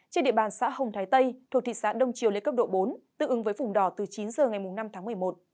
trên địa bàn xã hồng thái tây thuộc thị xã đông triều lên cấp độ bốn tương ứng với vùng đỏ từ chín giờ ngày năm tháng một mươi một